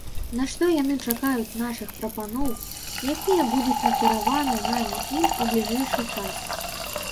На што яны чакаюць нашых прапановаў, якія будуць накіраваны намі ім у бліжэйшы час.